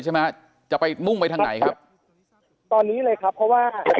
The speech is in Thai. ใช่ไหมจะไปมุ่งไปทางไหนครับตอนนี้เลยครับเพราะว่า